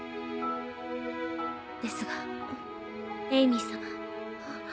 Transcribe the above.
ですがエイミー様。